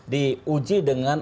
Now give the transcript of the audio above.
di uji dengan